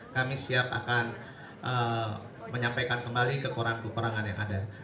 kami siap akan menyampaikan kembali kekurangan kekurangan yang ada